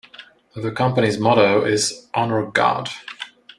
The Company's motto is "Honour God".